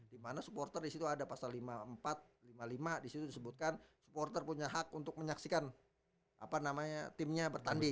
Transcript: dimana supporter di situ ada pasal lima puluh empat lima puluh lima disitu disebutkan supporter punya hak untuk menyaksikan timnya bertanding